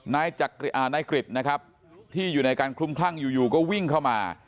นายกริจนะครับที่อยู่ในการคลุมคลั่งอยู่ก็วิ่งเข้ามา